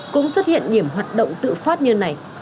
cũng xuất hiện điểm hoạt động tự phát như này